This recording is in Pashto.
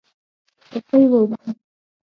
کړکۍ و اوبدم